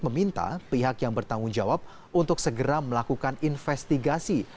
meminta pihak yang bertanggung jawab untuk segera melakukan investigasi